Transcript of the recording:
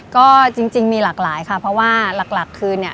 ก็จริงมีหลากหลายค่ะเพราะว่าหลักคือเนี่ย